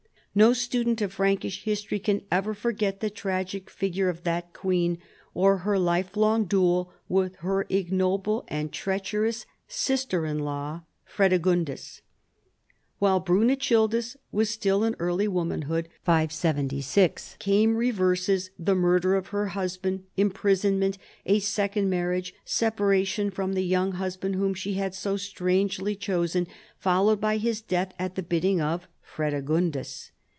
No student of Frankish his tory can ever forget the tragic figure of that queen or her life long duel with her ignoble and treach erous sister in law Fredegundis. "While Brunechildis was still in early womanhood (576) came reverses, the murder of her husband, imprisonment, a second marriage, separation from the young husband whom she had so strangely chosen, followed by his death at the bidding of Fredegundis.